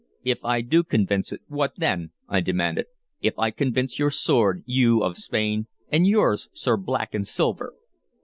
"If I do convince it, what then?" I demanded. "If I convince your sword, you of Spain, and yours, Sir Black and Silver?"